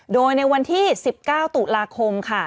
โดยในวันที่๑๙ตุลาคมค่ะ